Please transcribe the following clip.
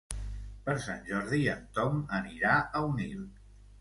Per Sant Jordi en Tom anirà a Onil.